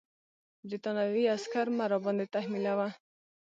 برټانوي عسکر مه راباندې تحمیلوه.